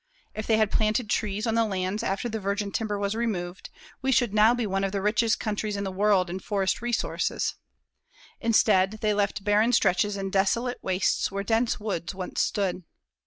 If they had planted trees on the lands after the virgin timber was removed, we should now be one of the richest countries in the world in forest resources. Instead, they left barren stretches and desolate wastes where dense woods once stood.